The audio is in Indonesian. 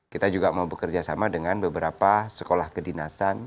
kita juga mau bekerjasama dengan beberapa sekolah kedinasan